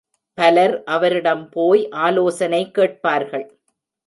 பலர் அவரிடம் போய் ஆலோசனை கேட்பார்கள்.